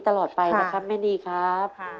ตลอดไปนะครับแม่นีครับ